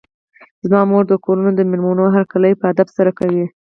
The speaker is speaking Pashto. زما مور د کورونو د مېلمنو هرکلی په ادب سره کوي.